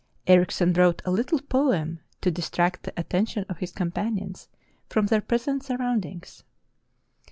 Erichsen wrote a little poem to distract the attention of his companions from their present surroundings.